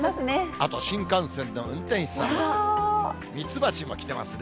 あと新幹線の運転士さん、蜜蜂も来てますね。